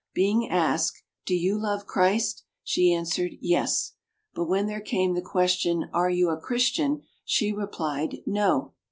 Being asked, "Do you love Christ?" she an swered "Yes"; but when there came the question, "Are you a Christian?" she replied "No."